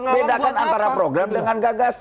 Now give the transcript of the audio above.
bedakan antara program dengan gagasan